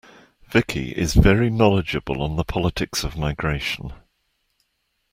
Vicky is very knowledgeable on the politics of migration.